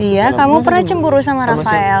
iya kamu pernah cemburu sama rafael